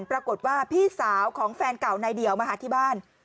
ปรากฏว่าพี่สาวของแฟนเก่านายเดี่ยวมาหาที่บ้าน